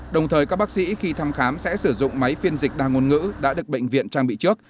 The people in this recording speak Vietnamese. đồng thời các bác sĩ khi thăm khám sẽ sử dụng máy phiên dịch đa ngôn ngữ đã được bệnh viện trang bị trước